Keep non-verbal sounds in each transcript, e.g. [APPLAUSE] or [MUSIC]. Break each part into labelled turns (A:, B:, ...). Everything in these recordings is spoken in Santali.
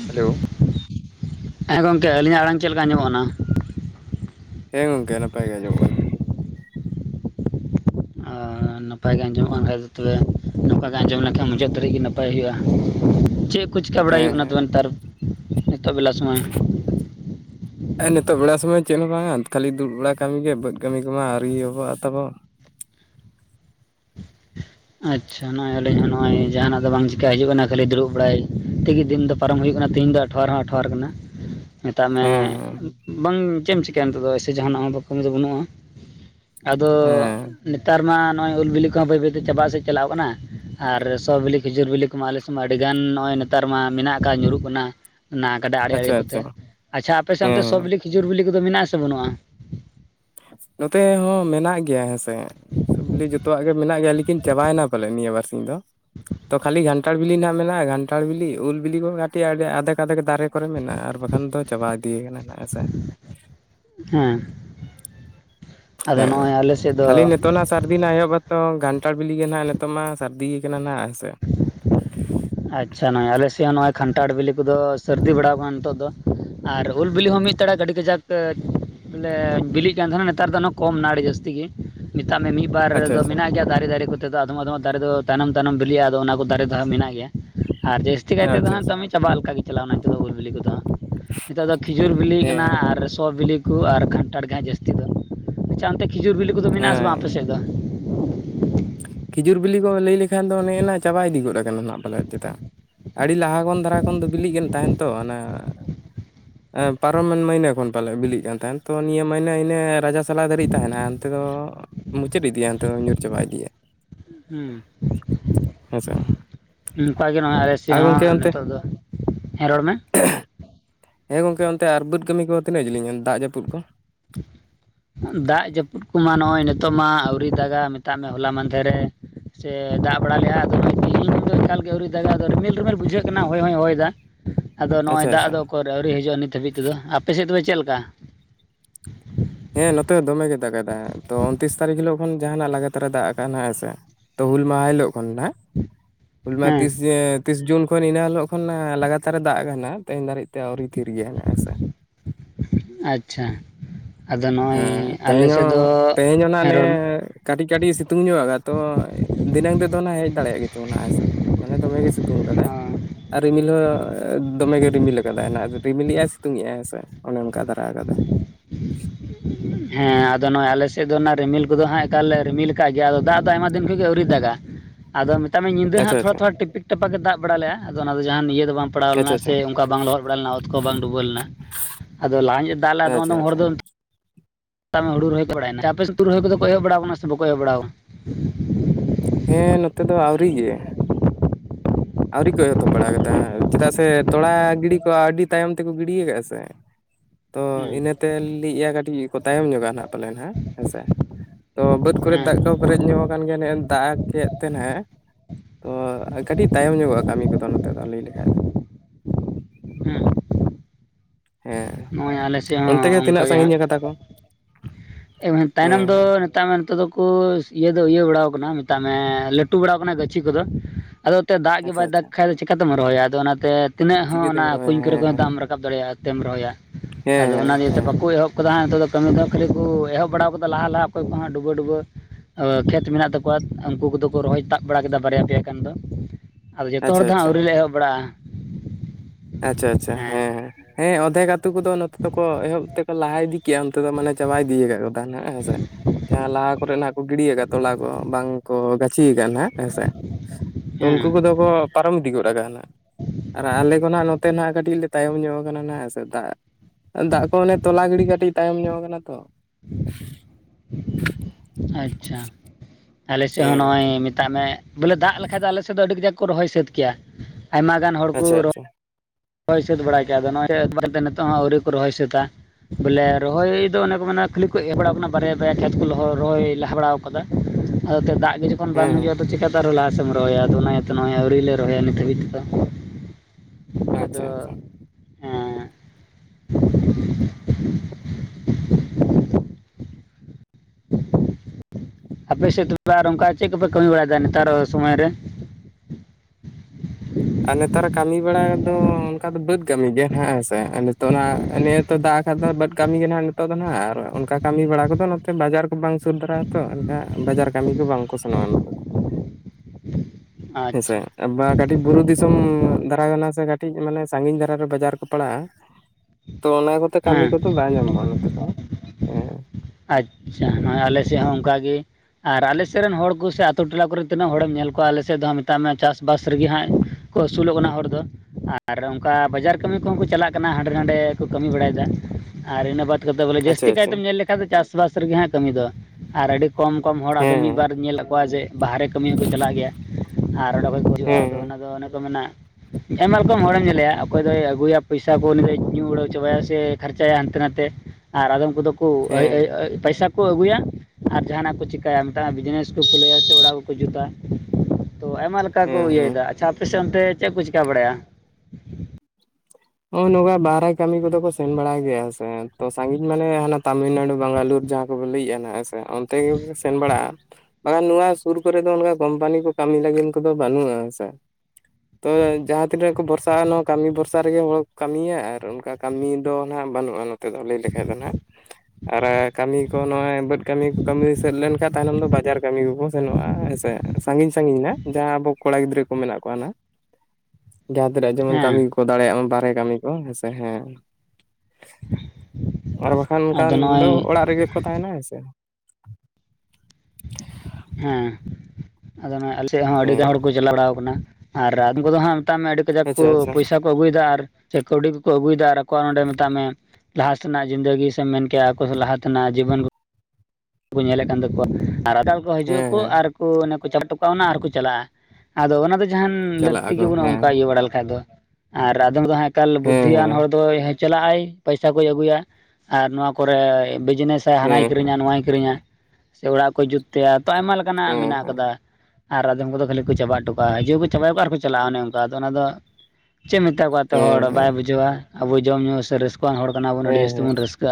A: [UNINTELLIGIBLE]
B: ᱦᱮᱸ ᱜᱚᱝᱠᱮ ᱟᱹᱞᱤᱧᱟᱜ ᱟᱲᱟᱝ ᱪᱮᱫ ᱞᱮᱠᱟ ᱟᱸᱡᱚᱢ ᱚᱜ ᱠᱟᱱᱟ
A: ᱦᱮᱸ ᱜᱚᱝᱠᱮ ᱱᱟᱯᱟᱭ ᱜᱮ ᱟᱸᱡᱚᱢ ᱚᱜ ᱠᱟᱱᱟ
B: ᱟᱨ ᱱᱟᱯᱟᱭ ᱜᱮ ᱟᱸᱡᱚᱢᱚᱜ ᱠᱟᱱ ᱠᱷᱟᱱ ᱫᱚ ᱛᱚᱵᱮ ᱱᱚᱝᱠᱟ ᱜᱮ ᱟᱸᱡᱚᱢ ᱞᱮᱱᱠᱷᱟᱱ ᱢᱩᱪᱟᱹᱫ ᱫᱷᱟᱹᱨᱤᱡ ᱜᱮ ᱱᱟᱯᱟᱭ ᱦᱩᱭᱩᱜᱼᱟ ᱪᱮᱫ ᱠᱚ ᱪᱤᱠᱟᱹ ᱵᱟᱲᱟᱭ
A: ᱦᱮᱸ
B: ᱦᱩᱭᱩᱜ ᱠᱟᱱᱟ
A: ᱦᱮᱸ
B: ᱛᱚᱵᱮ ᱱᱮᱛᱟᱨ ᱱᱤᱛᱚᱜ ᱵᱮᱞᱟ ᱥᱚᱢᱚᱭ
A: ᱦᱮᱸ ᱱᱤᱛᱚᱜ ᱵᱮᱲᱟ ᱥᱚᱢᱚᱭ ᱪᱮᱫ ᱦᱚᱸ ᱵᱟᱝ-ᱟ ᱠᱷᱟᱹᱞᱤ ᱫᱩᱲᱩᱵ ᱵᱟᱲᱟ ᱠᱟᱹᱢᱤ ᱜᱮ ᱵᱟᱹᱫᱽ ᱠᱟᱹᱢᱤ ᱠᱚᱢᱟ ᱟᱣᱨᱤ ᱮᱦᱚᱵᱚᱜᱼᱟ ᱛᱟᱵᱚᱱ
B: ᱟᱪᱪᱷᱟ ᱱᱚᱜᱼᱚᱭ ᱟᱞᱤᱧ ᱦᱚᱸ ᱱᱚᱜᱼᱚᱭ ᱡᱟᱦᱟᱱᱟᱜ ᱫᱚ ᱵᱟᱝ ᱪᱮᱠᱟ ᱦᱤᱡᱩᱜ ᱠᱟᱱᱟ ᱠᱷᱟᱹᱞᱤ ᱫᱩᱲᱩᱵ ᱵᱟᱲᱟᱭ ᱛᱮᱜᱮ ᱫᱤᱱ ᱫᱚ ᱯᱟᱨᱚᱢ ᱦᱩᱭᱩᱜ ᱠᱟᱱᱟ ᱛᱤᱦᱤᱧ ᱫᱚ ᱟᱴᱷᱣᱟᱨ ᱦᱚᱸ ᱟᱴᱷᱣᱟᱨ ᱠᱟᱱᱟ ᱢᱮᱛᱟᱜ ᱢᱮ
A: ᱦᱮᱸ ᱦᱮᱸ
B: ᱵᱟᱝ ᱪᱮᱫ ᱮᱢ ᱪᱤᱠᱟᱭᱟ ᱱᱤᱛᱚᱜ ᱫᱚ ᱥᱮ ᱡᱟᱦᱟᱱᱟᱜ ᱦᱚᱸ ᱠᱟᱹᱢᱤ ᱫᱚ ᱵᱟᱹᱱᱩᱜᱼᱟ ᱟᱫᱚ
A: ᱦᱮᱸ
B: ᱱᱮᱛᱟᱨ ᱢᱟ ᱱᱚᱜᱼᱚᱭ ᱩᱞ ᱵᱤᱞᱤ ᱠᱚᱦᱚᱸ ᱵᱟᱹᱭ ᱵᱟᱹᱭ ᱛᱮ ᱪᱟᱵᱟᱜ ᱥᱮᱫ ᱪᱟᱞᱟᱣ ᱠᱟᱱᱟ ᱟᱨ ᱥᱚ ᱵᱤᱞᱤ ᱠᱷᱤᱡᱩᱨ ᱵᱤᱞᱤ ᱠᱚᱢᱟ ᱟᱞᱮ ᱥᱮᱫ ᱢᱟ ᱟᱹᱰᱤ ᱜᱟᱱ ᱱᱚᱜᱼᱚᱭ ᱱᱮᱛᱟᱨ ᱢᱟ ᱢᱮᱱᱟᱜ ᱟᱠᱟᱫ ᱧᱩᱨᱩᱜ ᱠᱟᱱᱟ ᱱᱟ ᱜᱟᱰᱟ ᱟᱲᱮ
A: ᱟᱪᱪᱷᱟ
B: ᱟᱲᱮ ᱠᱚᱛᱮ
A: ᱟᱪᱪᱷᱟ
B: ᱟᱪᱪᱷᱟ ᱟᱯᱮ ᱥᱮᱫ
A: ᱦᱮᱸ
B: ᱚᱱᱛᱮ ᱥᱚ
A: ᱦᱮᱸ
B: ᱵᱤᱞᱤ ᱠᱷᱤᱡᱩᱨ ᱵᱤᱞᱤ ᱠᱚᱫᱚ ᱢᱮᱱᱟᱜ ᱟ ᱥᱮ ᱵᱟᱹᱱᱩᱜᱼᱟ
A: ᱱᱚᱛᱮ ᱦᱚᱸ ᱢᱮᱱᱟᱜ ᱜᱮᱭᱟ ᱦᱮᱸᱥᱮ ᱥᱚ ᱵᱤᱞᱤ ᱡᱚᱛᱚᱣᱟᱜ ᱜᱮ ᱢᱮᱱᱟᱜ ᱜᱮᱭᱟ ᱞᱮᱠᱤᱱ ᱪᱟᱵᱟᱭ ᱮᱱᱟ ᱯᱟᱞᱮ ᱱᱤᱭᱟᱹ ᱵᱟᱨᱥᱤᱧ ᱫᱚ ᱛᱚ ᱠᱷᱟᱹᱞᱤ ᱜᱷᱟᱱᱴᱟᱲ ᱱᱟᱦ ᱢᱮᱱᱟᱜᱼᱟ ᱜᱷᱟᱱᱴᱟᱲ ᱵᱤᱞᱤ ᱩᱞ ᱵᱤᱞᱤ ᱠᱚ ᱠᱟᱹᱴᱤᱜ ᱟᱰᱤ ᱟᱫᱷᱮᱠ ᱟᱫᱷᱮᱠ ᱫᱟᱨᱮ ᱠᱚᱨᱮ ᱢᱮᱱᱟᱜᱼᱟ ᱟᱨ ᱵᱟᱠᱷᱟᱱ ᱫᱚ ᱪᱟᱵᱟ ᱤᱫᱤᱭ ᱟᱠᱟᱱᱟ ᱦᱮᱸ ᱥᱮ
B: ᱦᱮᱸ ᱟᱫᱚ ᱱᱚᱜᱼᱚᱭ
A: ᱦᱮᱸ
B: ᱟᱞᱮ ᱥᱮᱫ ᱫᱚ
A: ᱠᱷᱟᱹᱞᱤ [UNINTELLIGIBLE] ᱜᱷᱟᱱᱴᱟᱲ ᱵᱤᱞᱤ ᱜᱮ ᱱᱟᱦᱟᱜ ᱱᱤᱛᱚᱜ ᱢᱟ ᱥᱟᱹᱨᱫᱤᱭ ᱟᱠᱟᱱᱟ ᱱᱟᱦᱟᱜ ᱦᱮᱸᱥᱮ
B: ᱟᱪᱪᱷᱟ ᱱᱚᱜᱼᱚᱭ ᱟᱞᱮ ᱥᱮᱫ ᱦᱚᱸ ᱱᱚᱜᱼᱚᱭ ᱠᱷᱟᱱᱴᱟᱲ ᱵᱤᱞᱤ ᱠᱚᱫᱚ ᱥᱟᱹᱨᱫᱤ ᱵᱟᱲᱟ ᱟᱠᱟᱱᱟ ᱱᱤᱛᱚᱜ ᱫᱚ ᱟᱨ ᱦᱩᱞ ᱵᱤᱞᱤ ᱦᱚᱸ ᱢᱤᱫ ᱛᱟᱲᱟᱠ ᱟᱹᱰᱤ ᱠᱟᱡᱟᱠ ᱵᱚᱞᱮ ᱵᱤᱞᱤᱜ ᱠᱟᱱ ᱛᱟᱦᱮᱱᱟ ᱱᱮᱛᱟᱨ ᱫᱚ ᱚᱱᱮ ᱠᱚᱢ ᱱᱟ ᱟ. ᱰᱤ ᱡᱟᱹᱥᱛᱤ ᱜᱤ ᱢᱮᱛᱟᱜ ᱢᱮ ᱢᱤᱫ ᱵᱟᱨ
A: ᱟᱪᱪᱷᱟ
B: ᱫᱚ
A: ᱟᱪᱪᱷᱟ
B: ᱢᱮᱱᱟᱜ ᱜᱮᱭᱟ ᱫᱟᱨᱮ ᱫᱟᱨᱮ ᱠᱚᱛᱮ ᱫᱚ ᱟᱫᱚᱢ ᱟᱫᱚᱢ ᱟᱜ ᱫᱟᱨᱮ ᱫᱚ ᱛᱟᱭᱱᱚᱢ ᱛᱟᱭᱱᱚᱢ ᱵᱤᱞᱤᱜ-ᱟ ᱟᱫᱚ ᱚᱱᱟ ᱠᱚ ᱫᱟᱨᱮ ᱫᱚ ᱦᱟᱸᱜ ᱢᱮᱱᱟᱜ ᱜᱮᱭᱟ ᱟᱨ ᱡᱮᱥᱛ ᱪᱤᱠᱟ. ᱭ ᱛᱮᱫᱚ
A: ᱟᱪᱪᱷᱟ
B: ᱦᱟᱸᱜ ᱠᱟ.
A: ᱟᱪᱪᱷᱟ
B: ᱢᱤ ᱪᱟᱵᱟᱜ ᱞᱮᱠᱟᱜ ᱜᱮ ᱪᱟᱞᱟᱣ ᱱᱟ ᱱᱤᱛᱚᱜ ᱫᱚ ᱩᱞ ᱵᱤᱞᱤ ᱠᱚᱫᱚ ᱦᱟᱸᱜ ᱱᱤᱛᱚᱜ ᱫᱚ ᱠᱷᱤᱡᱩᱨ ᱵᱤᱞᱤ
A: ᱦᱮᱸ
B: ᱠᱟᱱᱟ
A: ᱦᱮᱸ
B: ᱟᱨ ᱚ ᱵᱤᱞᱤ ᱠᱚ ᱟᱨ ᱠᱷᱟᱱᱴᱟᱲ ᱜᱮ ᱦᱟᱸᱜ ᱡᱟᱹᱥᱛᱤ ᱫᱚ ᱟᱪᱪᱷᱟ ᱚᱱᱛᱮ ᱠᱷᱤᱡᱩᱨ ᱵᱤᱞᱤ ᱠᱚᱫᱚ ᱢᱮᱱᱟᱜ-ᱟ ᱥᱮ ᱵᱟᱝ
A: ᱦᱮᱸ
B: ᱟᱯᱮ ᱥᱮᱫ ᱫᱚ
A: ᱠᱷᱤᱡᱩᱨ ᱵᱤᱞᱤ ᱠᱚ ᱞᱟᱹᱭ ᱞᱮᱠᱷᱟᱱ ᱫᱚ ᱱᱮᱜ-ᱮ ᱱᱟᱦ ᱪᱟᱵᱟ ᱤᱫᱤ ᱜᱚᱫ ᱟᱠᱟᱱᱟ ᱱᱟᱦ ᱯᱟᱞᱮᱫ ᱪᱮᱫᱟᱜ ᱟᱹᱰᱤ ᱞᱟᱦᱟ ᱠᱷᱚᱱ ᱫᱷᱟᱨᱟ ᱠᱷᱚᱱ ᱫᱚ ᱵᱤᱞᱤᱜ ᱜᱮᱱ ᱛᱟᱦᱮᱱ ᱛᱚ ᱚᱱᱟ
B: [INAUDIBLE]
A: ᱮᱻ ᱯᱟᱨᱚᱢᱮᱱ ᱢᱟᱹᱦᱱᱟᱹ ᱠᱷᱚᱱ ᱯᱟᱞᱮᱫ ᱵᱤᱞᱤᱜ ᱠᱟᱱ ᱛᱟᱦᱮᱱ ᱛᱚ ᱱᱤᱭᱟᱹ ᱢᱟᱹᱦᱱᱟᱹ ᱤᱱᱟᱹ ᱨᱟᱡᱟ ᱥᱟᱞᱟ ᱫᱷᱟᱹᱨᱤᱡ ᱛᱟᱦᱮᱱᱟ ᱦᱟᱱᱛᱮ ᱫᱚ ᱢᱩᱪᱟᱹᱫ ᱤᱫᱤ ᱭᱮᱱᱛᱮ ᱫᱚ ᱧᱩᱨ ᱪᱟᱵᱟ ᱤᱫᱤᱜ-ᱟ
B: ᱦᱩᱸ
A: ᱦᱮᱸ ᱥᱮ
B: ᱱᱚᱝᱠᱟ ᱜᱤ ᱱᱚᱜ-ᱚᱭ ᱟᱞᱮ ᱥᱮᱫ
A: ᱟᱨ ᱜᱚᱝᱠᱮ
B: ᱦᱚᱸ
A: ᱚᱱᱛᱮ
B: ᱱᱤᱛᱚᱜ ᱫᱚ ᱦᱮᱸ ᱨᱚᱲ ᱢᱮ
A: ᱦᱮᱸ ᱜᱚᱝᱠᱮ ᱚᱱᱛᱮ ᱟᱨ ᱵᱟᱹᱫᱽ ᱠᱟᱹᱢᱤ ᱠᱚ ᱛᱤᱱᱟᱹᱜ ᱡᱤᱞᱤᱧ-ᱟ ᱫᱟᱜ ᱡᱟᱹᱯᱩᱫ ᱠᱚ
B: [INAUDIBLE] ᱫᱟᱜ ᱡᱟᱹᱯᱩᱫ ᱠᱚᱢᱟ ᱱᱚᱜᱼᱚᱭ ᱱᱤᱛᱚᱜ ᱢᱟ ᱟᱹᱣᱨᱤ ᱫᱟᱜ-ᱟᱭ ᱢᱮᱛᱟᱜ ᱢᱮ ᱦᱚᱞᱟ ᱢᱟᱫᱷᱮᱨ ᱨᱮ ᱥᱮ ᱫᱟᱜ ᱵᱟᱲᱟ ᱞᱮᱫᱼᱟ ᱟᱫᱚ ᱛᱤᱦᱤᱧ ᱫᱚ ᱮᱠᱟᱞ ᱜᱮ ᱟᱹᱣᱨᱤᱭ ᱫᱟᱜᱼᱟ ᱟᱫᱚ ᱨᱤᱢᱤᱞ ᱨᱤᱢᱤᱞ ᱵᱩᱡᱷᱟᱹᱜ ᱠᱟᱱᱟ ᱦᱚᱭ ᱦᱚᱸᱭ ᱦᱚᱭ ᱮᱫᱟ ᱟᱫᱚ ᱱᱚᱜᱼᱚᱭ
A: ᱟᱪᱪᱷᱟ
B: ᱫᱟᱜ
A: ᱟᱪᱪᱷᱟ
B: ᱫᱚ ᱳᱠᱳᱨ ᱟᱹᱣᱨᱤ ᱦᱤᱡᱩᱜᱼᱟ ᱱᱤᱛ ᱦᱟᱹᱵᱤᱡ ᱛᱮᱫᱚ ᱟᱯᱮ ᱥᱮᱫ ᱫᱚ ᱪᱮᱫ ᱞᱮᱠᱟ
A: ᱦᱮᱸ ᱱᱚᱛᱮ ᱫᱚᱢᱮ ᱜᱮ ᱫᱟᱜ ᱮᱫ ᱛᱚ ᱩᱱᱛᱨᱤᱥ ᱛᱟᱨᱤᱠᱷ ᱦᱤᱞᱳᱜ ᱠᱷᱚᱱ ᱡᱟᱦᱟᱱᱟᱜ ᱞᱟᱜᱟᱛᱟᱨ ᱨᱮ ᱫᱟᱜ ᱠᱟᱜ ᱱᱟᱦ ᱦᱮᱸᱥᱮ ᱛᱚ ᱦᱩᱞ ᱢᱟᱦᱟ ᱦᱤᱞᱳᱜ ᱠᱷᱚᱱ ᱱᱟᱦ ᱦᱩᱞ ᱢᱟᱦᱟ
B: ᱦᱮᱸ
A: ᱛᱤᱥ ᱛᱤᱥ ᱡᱩᱱ ᱠᱷᱚᱱ ᱤᱱᱟᱹ ᱦᱤᱞᱳᱜ ᱠᱷᱚᱱ ᱱᱟᱦ ᱞᱟᱜᱟᱛᱟᱨᱮ ᱫᱟᱜ ᱛᱮᱦᱮᱧ ᱫᱷᱟᱹᱨᱤᱡ ᱛᱮ ᱟᱹᱣᱨᱤ ᱛᱷᱤᱨ ᱜᱮᱭᱟ ᱦᱮᱸ ᱥᱮ
B: ᱟᱪᱪᱷᱟ ᱟᱫᱚ ᱱᱚᱜᱼᱚᱭ
A: ᱦᱮᱸ
B: ᱟᱞᱮ
A: ᱛᱮᱦᱮᱧ
B: ᱥᱮᱫ
A: ᱦᱚᱸ
B: ᱫᱚ
A: ᱛᱮᱦᱮᱧ ᱦᱚᱸ ᱱᱟᱜ
B: ᱦᱮᱸ
A: ᱱᱮ
B: ᱨᱚᱲ ᱢᱮ
A: ᱠᱟᱹᱴᱤᱡ ᱠᱟᱹᱴᱤᱡ ᱥᱤᱛᱩᱝ ᱧᱚᱜᱼᱟ ᱛᱚ ᱫᱷᱤᱱᱟᱹᱝ ᱛᱮᱫᱚ ᱱᱟᱦ ᱦᱮᱡ ᱫᱟᱲᱮᱭᱟᱜ ᱜᱮᱪᱚ ᱱᱟᱦ ᱦᱮᱸᱥᱮ ᱢᱟᱱᱮ ᱫᱚᱢᱮ ᱜᱤ ᱥᱤᱛᱩᱝ ᱟᱠᱟᱫᱟᱭ
B: ᱦᱮᱸ
A: ᱟᱨ ᱨᱤᱢᱤᱞ ᱦᱚᱸ ᱫᱚᱢᱮ ᱜᱮ ᱨᱤᱢᱤᱞ ᱟᱠᱟᱫᱟᱭ ᱱᱟᱦ ᱨᱤᱢᱤᱞ ᱮᱜᱼᱟᱭ ᱥᱤᱛᱩᱝ ᱮᱜᱼᱟᱭ ᱦᱮᱸᱥᱮ ᱚᱱᱮ ᱚᱱᱠᱟ ᱫᱷᱟᱨᱟ ᱟᱠᱟᱫᱟᱭ
B: [INAUDIBLE]
A: [INAUDIBLE]
B: ᱦᱮᱸ ᱟᱫᱚ ᱱᱚᱜᱼᱚᱭ ᱟᱞᱮ ᱥᱮᱫ ᱫᱚ ᱱᱟᱜ ᱨᱤᱢᱤᱞ ᱠᱚ ᱫᱚ ᱦᱟᱸᱜ ᱮᱠᱟᱞᱮ ᱨᱤᱢᱤᱞ ᱟᱠᱟᱜ ᱜᱮᱭᱟ ᱟᱫᱚ ᱫᱟᱜ ᱫᱚ ᱟᱭᱢᱟ ᱫᱤᱱ ᱠᱷᱚᱱᱚᱜ ᱜᱮ ᱟᱹᱣᱨᱤ ᱫᱟᱜ-ᱟ ᱟᱫᱚ ᱢᱮᱛᱟᱢ ᱢᱮᱧ ᱧᱤᱫᱟᱹ ᱦᱟᱸᱜ
A: ᱟᱪᱪᱷᱟ
B: ᱛᱷᱚᱲᱟ
A: ᱟᱪᱪᱷᱟ
B: ᱛᱷᱚᱲᱟ ᱴᱤᱯᱤᱠ ᱴᱟᱯᱟᱠ ᱜᱮ ᱫᱟᱜ ᱵᱟᱲᱟ ᱞᱮᱜᱟ ᱟᱫᱚ ᱚᱱᱟ ᱡᱟᱦᱟᱸ ᱤᱭᱟᱹ ᱫᱚ ᱵᱟᱝ ᱯᱟᱲᱟᱣ ᱞᱮᱱᱟ
A: ᱟᱪᱪᱷᱟ
B: ᱥᱮ
A: ᱟᱪᱪᱷᱟ
B: ᱚᱱᱠᱟ ᱵᱟᱝ ᱞᱚᱦᱚᱫ ᱵᱟᱲᱟ ᱞᱮᱱᱟ ᱚᱛ ᱠᱚ ᱵᱟᱝ ᱰᱩᱵᱟᱹᱣ ᱞᱮᱱᱟ ᱟᱫᱚ ᱞᱟᱦᱟ ᱧᱚᱜ ᱫᱟᱜ ᱞᱮ ᱟᱫᱚᱢ
A: ᱟᱪᱪᱷᱟ
B: ᱟᱫᱚᱢ ᱦᱚᱲ
A: ᱟᱪᱪᱷᱟ
B: ᱫᱚ ᱢᱮᱛᱟᱜᱟ ᱢᱮ ᱦᱩᱲᱩ ᱨᱚᱦᱚᱭ ᱱᱟ ᱟᱯᱮ ᱥᱮᱫ ᱛᱤᱥ ᱨᱚᱭ ᱠᱚᱫᱚ ᱮᱦᱚᱵ ᱵᱟᱲᱟ ᱠᱟᱱᱟ ᱥᱮ ᱵᱟᱠᱚ ᱮᱦᱚᱵ ᱵᱟᱲᱟ ᱠᱟᱱᱟ
A: ᱦᱮᱸ ᱱᱚ ᱛᱮ ᱫᱚ ᱟᱹᱣᱨᱤ ᱜᱮ ᱟᱹᱣᱨᱤ ᱠᱚ ᱮᱛᱚᱵ ᱵᱟᱲᱟ ᱠᱟᱫᱟ ᱪᱮᱫᱟᱜ ᱥᱮ ᱛᱚᱲᱟ ᱜᱤᱰᱤ ᱠᱚ ᱟᱹᱰᱤ ᱛᱟᱭᱚᱢ ᱛᱮᱠᱚ ᱜᱤᱰᱤᱭᱟ ᱟᱠᱟᱫᱼᱟ ᱥᱮ
B: [INAUDIBLE]
A: ᱛᱚ ᱤᱱᱟᱹ ᱛᱮ ᱞᱟᱹᱭᱮᱫᱼᱟ ᱠᱟᱹᱴᱤᱡ ᱠᱚ ᱛᱟᱭᱚᱢ ᱧᱚᱜᱼᱟ ᱱᱟᱜ ᱯᱟᱞᱮ ᱦᱟᱜ ᱦᱮᱸ ᱥᱮ ᱛᱚ ᱵᱟᱹᱫᱽ ᱠᱚᱨᱮ
B: ᱦᱮᱸ
A: ᱫᱟᱜ ᱠᱚ ᱯᱮᱨᱮᱡ ᱧᱚᱜ ᱟᱠᱟᱱ ᱜᱮᱭᱟ ᱱᱮᱜ-ᱮ ᱫᱟᱜ ᱠᱮᱫ ᱛᱮ ᱱᱟᱦᱟᱜ ᱛᱚ ᱠᱟᱹᱴᱤᱡ ᱛᱟᱭᱚᱢ ᱧᱚᱜᱚᱜᱼᱟ ᱠᱟᱹᱢᱤ ᱠᱚᱫᱚ ᱱᱚᱛᱮ ᱫᱚ ᱞᱟᱹᱭ ᱞᱮᱠᱷᱟᱡ ᱫᱚ
B: ᱦᱩᱸ
A: ᱦᱮᱸ
B: ᱱᱚᱜᱼᱚᱭ ᱟᱞᱮ ᱥᱮᱫ
A: ᱚᱱᱛᱮ
B: ᱦᱚᱸ ᱚᱱᱠᱟ
A: ᱛᱤᱱᱟᱹᱜ
B: ᱜᱮ ᱦᱟᱸᱜ
A: ᱥᱟᱺᱜᱤᱧ ᱟᱠᱟᱫᱟ ᱠᱚ
B: [UNINTELLIGIBLE] ᱛᱟᱭᱱᱚᱢ
A: ᱦᱮᱸ
B: ᱫᱚ
A: ᱦᱮᱸ
B: [UNINTELLIGIBLE] ᱢᱮ ᱱᱤᱛᱚᱜ ᱫᱚᱠᱚ ᱤᱭᱟᱹ ᱫᱚ ᱤᱭᱟᱹ ᱵᱟᱲᱟᱣ ᱠᱟᱱᱟ ᱢᱮᱛᱟᱜ ᱢᱮ ᱞᱟᱹᱴᱩ ᱛᱩ ᱵᱟᱲᱟᱣ ᱟᱠᱟᱱᱟ ᱜᱟᱹᱪᱷᱤ ᱠᱚᱫᱚ ᱟᱫᱚ ᱮᱱᱚ ᱛᱮᱫ ᱫᱟᱜ ᱜᱮ
A: ᱟᱪᱪᱷᱟ
B: ᱵᱟᱭ ᱫᱟᱜᱽ
A: ᱟᱪᱪᱷᱟ
B: ᱠᱷᱟᱡ ᱫᱚ ᱪᱤᱠᱟ ᱛᱮᱢ ᱨᱚᱦᱚᱭᱟ ᱟᱫᱚ ᱚᱱᱟᱛᱮ ᱛᱤᱱᱟᱹᱜ ᱦᱚᱸ ᱚᱱᱟ
A: ᱪᱤᱠᱟᱹᱛᱮᱢ ᱨᱚᱦᱚᱭᱟ
B: ᱠᱩᱧ ᱠᱚᱨᱮ
A: ᱦᱮᱸ
B: ᱠᱚ
A: ᱦᱮᱸ
B: ᱫᱟᱢ ᱨᱟᱠᱟᱵ ᱫᱟᱲᱮᱭᱟᱜᱼᱟ ᱛᱮᱢ ᱨᱚᱦᱚᱭᱟ
A: ᱦᱮᱸ
B: ᱟᱫᱚ
A: ᱦᱮᱸ
B: ᱚᱱᱟ ᱤᱭᱟᱹᱛᱮ
A: ᱦᱮᱸ
B: [UNINTELLIGIBLE] ᱮᱦᱚᱵ ᱠᱟᱫᱟ ᱱᱤᱛᱚᱜ ᱫᱚ ᱠᱟᱹᱢᱤ ᱫᱚ ᱠᱷᱟᱹᱞᱤ ᱠᱚ ᱮᱦᱚᱵ ᱵᱟᱲᱟᱣ ᱠᱟᱫᱟ ᱞᱟᱦᱟ ᱞᱟᱦᱟ ᱚᱠᱚᱭ ᱠᱚ ᱦᱟᱸᱜ ᱰᱩᱵᱟᱹ ᱰᱩᱵᱟᱹ ᱠᱷᱮᱛ ᱢᱮᱱᱟᱜ ᱛᱟᱠᱚᱣᱟ ᱩᱱᱠᱩ ᱠᱚᱫᱚ ᱠᱚ ᱨᱚᱦᱚᱭ ᱛᱟᱵ ᱵᱟᱲᱟ ᱠᱮᱫᱟ ᱵᱟᱨᱭᱟ ᱯᱮᱭᱟ ᱜᱟᱱ ᱫᱚ ᱟᱫᱚ ᱡᱚᱛᱚ ᱦᱚᱲ
A: ᱟᱪᱪᱷᱟ
B: ᱫᱚ ᱦᱟᱸᱜ
A: ᱟᱪᱪᱷᱟ
B: ᱟᱹᱣᱨᱤ ᱞᱮ ᱮᱦᱚᱵ ᱵᱟᱲᱟᱜᱼᱟ
A: ᱟᱪᱪᱷᱟ ᱟᱪᱪᱷᱟ ᱦᱮᱸ ᱦᱮᱸ ᱦᱮᱸ ᱚᱫᱫᱷᱮᱠ ᱟᱛᱩ ᱠᱚᱫᱚ ᱱᱚᱛᱮ ᱫᱚᱠᱚ ᱮᱦᱚᱵ ᱛᱮᱠᱚ ᱞᱟᱦᱟ ᱤᱫᱤ ᱠᱮᱜᱼᱟ ᱚᱱᱛᱮ ᱫᱚ ᱢᱟᱱᱮ ᱪᱟᱵᱟ ᱤᱫᱤᱟᱠᱟᱫ ᱠᱚ ᱦᱮᱸᱥᱮ ᱞᱟᱦᱟ ᱠᱚᱨᱮ ᱱᱟᱜ ᱠᱚ ᱜᱤᱰᱤ ᱠᱟᱜ ᱠᱚ ᱛᱚᱞᱟ ᱠᱚ ᱵᱟᱝ ᱠᱚ [UNINTELLIGIBLE] [UNINTELLIGIBLE] ᱦᱟᱜ ᱦᱮᱸᱥᱮ ᱩᱱᱠᱩ ᱠᱚᱫᱚ
B: ᱦᱮᱸ
A: ᱠᱚ ᱯᱟᱨᱚᱢ ᱤᱫᱤ ᱜᱚᱫ ᱟᱠᱟᱜᱼᱟ ᱱᱟᱜ ᱟᱨ ᱟᱞᱮ ᱱᱚᱛᱮ ᱱᱟᱱᱟᱜ ᱠᱟᱹᱴᱤᱡ ᱞᱮ ᱛᱟᱭᱚᱢ ᱧᱚᱜ ᱟᱠᱟᱱᱟ ᱱᱟ ᱥᱮ ᱫᱟᱜ ᱫᱟᱜ ᱠᱚ ᱚᱱᱮ ᱛᱚᱞᱟ ᱜᱤᱲᱤ ᱠᱟᱹᱴᱤᱡ ᱛᱟᱭᱚᱢ ᱧᱚᱜ ᱟᱠᱟᱱᱟ ᱛᱚ
B: ᱟᱪᱪᱷᱟ ᱟᱞᱮ ᱥᱮᱫ
A: ᱦᱮᱸ
B: ᱦᱚᱸ ᱱᱚᱜᱼᱚᱭ
A: ᱜᱚᱝᱠᱮ
B: ᱢᱮᱛᱟᱜ ᱢᱮ ᱵᱚᱞᱮ ᱫᱟᱜ ᱞᱮᱠᱷᱟᱡ ᱫᱚ ᱟᱞᱮ ᱥᱮᱫ ᱫᱚ ᱟᱹᱰᱤ ᱠᱟᱡᱟᱠ ᱠᱚ ᱨᱚᱦᱚᱭ ᱥᱟᱹᱛ ᱠᱮᱭᱟ ᱟᱭᱢᱟ ᱜᱟᱱ ᱦᱚᱲ ᱠᱚ
A: ᱟᱪᱪᱷᱟ
B: [UNINTELLIGIBLE]
A: ᱟᱪᱪᱷᱟ
B: ᱨᱚᱦᱚᱭ ᱥᱟᱹᱛ ᱵᱟᱲᱟ ᱠᱮᱫ ᱟᱫᱚ ᱱᱚᱛᱮ ᱱᱤᱛᱚᱜ ᱦᱚᱸ ᱟᱹᱣᱨᱤ ᱠᱚ ᱨᱚᱦᱚᱭ ᱥᱟᱹᱛ ᱟ ᱵᱚᱞᱮ ᱨᱚᱦᱚᱭ ᱫᱚ ᱚᱱᱮ ᱠᱚ ᱢᱮᱱᱟ ᱠᱷᱟᱹᱞᱤ ᱠᱚ ᱮ ᱵᱟᱲᱟᱣ ᱠᱟᱱᱟ ᱵᱟᱨᱭᱟ ᱵᱟᱨᱭᱟ ᱠᱷᱮᱛ ᱠᱚ ᱠᱚᱦᱚ ᱨᱚᱦᱚᱭ ᱞᱟᱦᱟ ᱵᱟᱲᱟ ᱠᱟᱫᱟ ᱟᱫᱚ ᱛᱚ ᱫᱟᱜ ᱡᱚᱠᱷᱚᱱ
A: ᱦᱮᱸ
B: ᱵᱟᱝ
A: ᱦᱮᱸ
B: ᱦᱤᱡᱩᱜᱼᱟᱚ ᱪᱮᱠᱟ ᱛᱮ ᱟᱨᱚ ᱞᱟᱦᱟ ᱥᱮᱢ ᱨᱚᱦᱚᱭ-ᱟ ᱟ ᱚᱱᱟ ᱤᱭᱟᱹᱛᱮ ᱱᱚᱜᱼᱚᱭ ᱟᱹᱣᱨᱤ ᱞᱮ ᱨᱚᱦᱚᱭᱟ ᱱᱤᱛ ᱦᱟᱹᱵᱤᱡ ᱛᱮ ᱫᱚ
A: ᱟᱪᱪᱷᱟ ᱟᱪᱪᱷᱟ
B: ᱦᱮᱸ ᱟᱯᱮ ᱥᱮᱫ ᱛᱚᱵᱮ ᱟᱨ ᱚᱱᱠᱟ ᱪᱮᱫ ᱠᱚᱯᱮ ᱠᱟᱹᱢᱤ ᱵᱟᱲᱟᱭ ᱮᱫᱟ ᱱᱮᱛᱟᱨ ᱥᱳᱢᱚᱭ ᱨᱮ
A: ᱟᱨ ᱱᱮᱛᱟᱨ ᱠᱟᱹᱢᱤ ᱵᱟᱲᱟ ᱫᱚ ᱚᱱᱠᱟ ᱫᱚ ᱵᱟᱹᱫᱽ ᱠᱟᱹᱢᱤ ᱜᱮ ᱦᱮᱸ ᱥᱮ ᱱᱤᱛᱚᱜ ᱚᱱᱟ ᱱᱤᱭᱟᱹ ᱫᱟᱜ ᱱᱮᱛᱟᱨ ᱫᱚ ᱵᱟᱹᱫᱽ ᱠᱟᱹᱢᱤ ᱜᱮ ᱱᱟᱦᱟᱜ ᱱᱤᱛᱚᱜ ᱫᱚ ᱱᱟᱦᱟᱜ ᱟᱨ ᱚᱱᱠᱟ ᱠᱟᱹᱢᱤ ᱵᱟᱲᱟ ᱠᱚᱫᱚ ᱱᱚᱛᱮ ᱵᱟᱡᱟᱨ ᱠᱚ ᱵᱟᱝ ᱥᱩᱨ [UNINTELLIGIBLE] ᱛᱚ ᱚᱱᱠᱟ ᱵᱟᱡᱟᱨ ᱠᱟᱹᱢᱤ ᱠᱚ ᱵᱟᱝ ᱠᱚ ᱥᱮᱱᱚᱜᱼᱟ
B: [INAUDIBLE]
A: ᱦᱮᱸ ᱥᱮ
B: ᱟᱪᱪᱷᱟ
A: ᱵᱟ ᱠᱟᱹᱴᱤᱡ ᱵᱩᱨᱩ ᱫᱤᱥᱚᱢ ᱫᱷᱟᱨᱟ ᱠᱟᱱᱟ ᱥᱮ ᱠᱟᱹᱴᱤᱡ ᱢᱟᱱᱮ ᱥᱟᱸᱜᱤᱧ ᱫᱷᱟᱨᱟ ᱨᱮ ᱵᱟᱡᱟᱨ ᱠᱚ ᱯᱟᱲᱟᱜᱼᱟ ᱛᱚ ᱚᱱᱟ ᱠᱚᱛᱮ ᱠᱟᱹᱢᱤ
B: ᱦᱮᱸ
A: ᱠᱚᱫᱚ ᱵᱟᱝ ᱧᱟᱢᱚᱜᱼᱟ ᱱᱚᱛᱮ ᱫᱚ ᱦᱮᱸ
B: ᱟᱪᱪᱷᱟ ᱱᱚᱜ-ᱚᱭ ᱟᱞᱮ ᱥᱮᱫ ᱦᱚᱸ ᱚᱱᱠᱟ ᱜᱮ ᱟᱨ ᱟᱞᱮ ᱥᱮᱫ ᱨᱮᱱ ᱦᱚᱲ ᱠᱚ ᱥᱮ ᱟᱛᱳ ᱴᱚᱞᱟ ᱠᱚᱨᱮᱱ ᱛᱤᱱᱟᱹᱜ ᱦᱚᱲᱮᱢ ᱧᱮᱞ ᱠᱚᱣᱟ ᱟᱞᱮ ᱥᱮᱫ ᱫᱚ ᱦᱟᱸᱜ ᱢᱮᱛᱟᱜ ᱢᱮᱭᱟ ᱪᱟᱥ ᱵᱟᱥ ᱨᱮᱜᱮ ᱦᱟᱸᱜ ᱠᱚ ᱟᱹᱥᱩᱞᱚᱜ ᱠᱟᱱᱟ ᱦᱚᱲ ᱫᱚ ᱟᱨ ᱚᱱᱠᱟ ᱵᱟᱡᱟᱨ ᱠᱟᱹᱢᱤ ᱠᱚ ᱦᱚᱸ ᱠᱚ ᱪᱟᱞᱟᱜ ᱠᱟᱱᱟ [UNINTELLIGIBLE] ᱱᱟᱰᱮ ᱠᱚ ᱠᱟᱹᱢᱤ ᱵᱟᱲᱟᱭ ᱮᱫᱟ ᱟᱨ ᱤᱱᱟᱹ ᱵᱟᱫ ᱠᱚ ᱫᱚ ᱵᱚᱞᱮ
A: ᱟᱪᱪᱷᱟ
B: ᱡᱟᱹᱥᱛᱤ ᱠᱟᱭ
A: ᱟᱪᱪᱷᱟ
B: ᱛᱮᱢ ᱧᱮᱞ ᱞᱮᱠᱷᱟᱱ ᱱᱮᱛᱟᱨ ᱫᱚ ᱪᱟᱥ ᱵᱟᱥ ᱨᱮ ᱜᱮ ᱦᱟᱸᱜ ᱠᱟᱹᱢᱤ ᱫᱚ ᱟᱨ ᱟᱹᱰᱤ ᱠᱚᱢ ᱠᱚᱢ ᱦᱚᱲ ᱟᱫᱚ ᱢᱤᱫ
A: ᱦᱮᱸ
B: ᱵᱟᱨ ᱧᱮᱞ ᱮᱫ ᱠᱚᱣᱟ ᱡᱮ ᱵᱟᱦᱨᱮ ᱠᱟᱹᱢᱤ ᱦᱚᱸ ᱠᱚ ᱪᱟᱞᱟᱜ ᱜᱮᱭᱟ ᱟᱨ ᱚᱸᱰᱮ ᱠᱷᱚᱡ ᱠᱚ ᱦᱤᱡᱩᱜᱼᱟ ᱟᱫᱚ
A: ᱦᱮᱸ
B: ᱚᱱᱟ ᱫᱚ ᱚᱱᱮ ᱠᱚ ᱢᱮᱱᱟ ᱟᱭᱢᱟ ᱨᱚᱠᱚᱢ ᱦᱚᱲ ᱮᱢ ᱧᱮᱞᱮᱭᱟ ᱚᱠᱚᱭ ᱫᱚᱭ ᱟᱹᱜᱩᱭᱟ ᱯᱚᱭᱥᱟ ᱠᱚ ᱩᱱᱤ ᱫᱚ ᱧᱩ ᱩᱲᱟᱹᱣ ᱪᱟᱵᱟᱭᱟ ᱥᱮ ᱠᱷᱟᱨᱪᱟᱭᱟ ᱦᱟᱱᱛᱮ ᱱᱟᱛᱮ ᱟᱨ ᱟᱫᱚᱢ ᱠᱚᱫᱚ ᱠᱚ
A: ᱦᱮᱸ
B: ᱯᱟᱭᱥᱟ ᱠᱚ ᱟᱹᱜᱩᱭᱟ ᱟᱨ ᱡᱟᱦᱟᱸᱱᱟᱜ ᱠᱚ ᱪᱤᱠᱟᱹᱭᱟ ᱢᱤᱛᱟᱜ ᱢᱮ ᱵᱤᱡᱽᱱᱮᱥ ᱠᱚ ᱠᱷᱩᱞᱟᱹᱭᱟ ᱥᱮ ᱚᱲᱟᱜ ᱠᱚᱠᱚ ᱡᱩᱛᱟ ᱛᱚ ᱟᱭᱢᱟ ᱞᱮᱠᱟ
A: ᱦᱮᱸ
B: ᱠᱚ
A: ᱦᱮᱸ
B: ᱤᱭᱟᱹᱭᱮᱫᱟ ᱟᱪᱪᱷᱟ ᱟᱯᱮ ᱥᱮᱫ ᱚᱱᱛᱮ ᱪᱮᱫ ᱠᱚ ᱪᱤᱠᱟᱹ ᱵᱟᱲᱟᱭᱟ
A: ᱱᱚᱼᱚ ᱱᱚᱝᱠᱟ ᱵᱟᱦᱨᱮ ᱠᱟᱹᱢᱤ ᱠᱚᱫᱚ ᱠᱚ ᱥᱮᱱ ᱵᱟᱲᱟᱭ ᱜᱮᱭᱟ ᱥᱮ ᱛᱚ ᱥᱟᱺᱜᱤᱧ ᱢᱟᱱᱮ ᱦᱟᱱᱟ ᱛᱟᱢᱤᱞ ᱱᱟᱲᱩ ᱵᱟᱝᱜᱟᱞᱩᱨ ᱡᱟᱦᱟᱸ ᱞᱟᱹᱭᱮᱜᱼᱟ ᱦᱮᱸ ᱥᱮ ᱚᱱᱛᱮ ᱜᱮ ᱥᱮᱱ ᱵᱟᱲᱟᱜᱼᱟ ᱵᱟᱠᱷᱟᱱ ᱱᱚᱣᱟ ᱥᱩᱨ ᱠᱚᱨᱮ ᱫᱚ ᱚᱱᱠᱟ ᱠᱳᱢᱯᱟᱱᱤ ᱠᱚ ᱠᱟᱹᱢᱤ ᱞᱟᱹᱜᱤᱫ ᱠᱚᱫᱚ ᱵᱟᱹᱱᱩᱜᱼᱟ ᱦᱮᱸ ᱥᱮ ᱛᱚ ᱡᱟᱦᱟᱸ ᱛᱤᱱᱟᱹᱜ ᱠᱚ ᱵᱷᱚᱨᱥᱟᱜᱼᱟ ᱱᱚᱣᱟ ᱠᱟᱹᱢᱤ ᱵᱷᱚᱨᱥᱟ ᱨᱮᱜᱮ ᱦᱚᱲ ᱠᱚ ᱠᱟᱹᱢᱤᱭᱟ ᱟᱨ ᱚᱱᱠᱟ ᱠᱟᱹᱢᱤ ᱫᱚ ᱱᱟᱦᱟᱜ ᱵᱟᱹᱱᱩᱜᱼᱟ ᱱᱚᱛᱮ ᱫᱚ ᱞᱟᱹᱭ ᱞᱮᱠᱷᱟᱱ ᱫᱚ ᱱᱟᱦᱟᱜ ᱟᱨ ᱠᱟᱹᱢᱤ ᱠᱚ ᱱᱚᱜᱼᱚᱭ ᱵᱟᱹᱫᱽ ᱠᱟᱹᱢᱤ ᱠᱚ ᱠᱟᱹᱢᱤ ᱥᱟᱹᱛ ᱞᱮᱱ ᱠᱷᱟᱱ ᱛᱟᱭᱱᱚᱢ ᱫᱚ ᱵᱟᱡᱟᱨ ᱠᱟᱹᱢᱤ ᱠᱚᱠᱚ ᱥᱮᱱᱚᱜᱼᱟ ᱦᱮᱸᱥᱮ ᱥᱟᱸᱜᱤᱧ ᱥᱟᱸᱜᱤᱧ ᱨᱮᱱᱟᱜ ᱡᱟᱦᱟᱸ ᱟᱵᱚ ᱠᱚᱲᱟ ᱜᱤᱫᱽᱨᱟᱹ ᱠᱚ ᱢᱮᱱᱟᱜ ᱠᱚᱣᱟ
B: [INAUDIBLE]
A: ᱡᱟᱦᱟᱸ ᱛᱤᱱᱟᱹᱜ ᱡᱮᱢᱚᱱ ᱠᱟᱹᱢᱤ
B: ᱦᱮᱸ
A: ᱠᱚᱠᱚ ᱫᱟᱲᱮᱭᱟᱜ ᱢᱟ ᱵᱟᱦᱨᱮ ᱠᱟᱹᱢᱤ ᱠᱚ ᱦᱮᱸᱥᱮ ᱦᱮᱸ ᱟᱨ ᱵᱟᱠᱷᱟᱱ ᱚᱱᱠᱟ
B: ᱟᱫᱚ
A: ᱫᱚ
B: ᱱᱚᱜᱼᱚᱭ
A: ᱚᱲᱟᱜ ᱨᱮᱜᱮ ᱠᱚ ᱛᱟᱦᱮᱱᱟ ᱦᱮᱸ ᱥᱮ
B: ᱦᱮᱸ ᱟᱫᱚ ᱱᱟᱜ ᱟᱞᱮ ᱥᱮᱫ ᱦᱚᱸ ᱟᱹᱰᱤ ᱜᱟᱱ
A: ᱦᱮᱸ
B: ᱦᱚᱲ ᱠᱚ ᱪᱟᱞᱟᱣ ᱵᱟᱲᱟ ᱟᱠᱟᱱᱟ ᱟᱨ ᱟᱫᱚᱢ ᱠᱚᱫᱚ ᱦᱟᱸᱜ ᱢᱮᱛᱟᱜ ᱢᱮ ᱟᱹᱰᱤ ᱠᱟᱡᱟᱠ ᱠᱚ
A: ᱟᱪᱪᱷᱟ ᱟᱪᱪᱷᱟ
B: ᱯᱚᱭᱥᱟ ᱠᱚ ᱟᱹᱜᱩᱭᱮᱫᱟ ᱟᱨ ᱥᱮ ᱠᱟᱹᱣᱰᱤ ᱠᱚᱠᱚ ᱟᱹᱜᱩᱭᱮᱫᱟ ᱟᱨ ᱟᱠᱚᱣᱟᱜ ᱱᱚᱰᱮ ᱢᱮᱛᱟᱜ ᱢᱮ ᱞᱟᱦᱟ ᱥᱮᱱᱟᱜ ᱡᱤᱱᱫᱟᱹᱜᱤ ᱥᱮ ᱢᱮᱱ ᱠᱮᱭᱟ ᱟᱠᱚ ᱞᱟᱦᱟ ᱛᱮᱱᱟᱜ ᱡᱤᱵᱚᱱ ᱧᱮᱞᱮᱫ ᱠᱟᱱ ᱛᱟᱠᱚᱣᱟ ᱟᱨ ᱟᱫᱟᱞ ᱠᱚ ᱦᱤᱡᱩᱜ
A: ᱦᱮᱸ
B: ᱟᱠᱚ
A: ᱦᱮᱸ
B: ᱟᱨ ᱠᱚ ᱪᱟᱵᱟ ᱦᱚᱴᱚ ᱠᱟᱜᱼᱟ ᱟᱨᱠᱚ ᱪᱟᱞᱟᱜᱼᱟ ᱟᱫᱚ ᱚᱱᱟ ᱫᱚ ᱡᱟᱦᱟᱸᱱ
A: ᱪᱟᱞᱟᱜ
B: ᱞᱟᱹᱠᱛᱤ
A: ᱟᱠᱚ
B: ᱜᱮ ᱵᱟᱹᱱᱩᱜᱼᱟ
A: ᱦᱮᱸ
B: ᱚᱱᱠᱟ ᱤᱭᱟᱹ ᱵᱟᱲᱟ ᱞᱮᱠᱷᱟᱡ ᱫᱚ ᱞᱮᱠᱷᱟᱡ ᱫᱚ ᱟᱨ ᱟᱫᱚᱢ ᱫᱚ ᱮᱠᱟᱞ ᱵᱩᱫᱽᱫᱷᱤᱭᱟᱱ ᱦᱚᱲ
A: ᱦᱮᱸ
B: ᱫᱚ ᱪᱟᱞᱟᱜᱼᱟᱭ ᱯᱚᱭᱥᱟ ᱠᱚᱭ ᱟᱹᱜᱩᱭᱟ ᱟᱨ ᱱᱚᱣᱟ ᱠᱚᱨᱮ ᱵᱤᱡᱽᱱᱮᱥᱟᱭ ᱦᱟᱱᱟᱭ
A: ᱦᱮᱸ ᱦᱮᱸ
B: ᱠᱤᱨᱤᱧᱟ ᱱᱚᱣᱟ ᱟᱠᱷᱨᱤᱧᱟ ᱥᱮ ᱚᱲᱟᱜ ᱠᱚᱭ ᱡᱩᱛ ᱛᱟᱭᱟ ᱛᱚ ᱟᱭᱢᱟ ᱞᱮᱠᱟᱱᱟᱜ
A: ᱦᱮᱸ ᱦᱮᱸ
B: ᱢᱮᱱᱟᱜ ᱟᱠᱟᱫᱟ ᱟᱨ ᱟᱫᱚᱢ ᱠᱚᱫᱚ ᱠᱷᱟᱹᱞᱤ ᱠᱚ ᱪᱟᱴᱵᱟᱜ ᱴᱚᱠᱟᱜᱼᱟᱡᱮ ᱠᱚ ᱪᱟᱵᱟᱭᱟ ᱠᱚ ᱟᱨ ᱪᱟᱞᱟᱜᱼᱟ ᱚᱱᱮ ᱚᱱᱠᱟ ᱟᱫᱚ ᱚᱱᱟ ᱫᱚ ᱪᱮᱫ ᱢᱮᱛᱟ ᱠᱚᱣᱟᱛᱚ
A: ᱦᱮᱸ
B: ᱦᱚᱲ
A: ᱦᱮᱸ
B: ᱵᱟᱭ ᱵᱩᱡᱷᱟᱹᱣᱟ ᱟᱵᱚ ᱡᱚᱢ ᱧᱩ ᱥᱮ ᱨᱟᱹᱥᱠᱟᱹᱣᱟᱱ ᱦᱚᱲ ᱠᱟᱱᱟᱵᱚᱱ ᱟᱹᱰᱤ
A: ᱦᱮᱸ
B: ᱡᱟᱹᱥᱛᱤ
A: ᱦᱮᱸ
B: ᱵᱚᱱ ᱨᱟᱹᱥᱠᱟᱹ